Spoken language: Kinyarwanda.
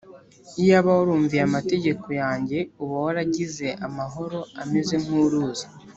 Iyaba warumviye amategeko yanjye uba waragize amahoro ameze nkuruzi,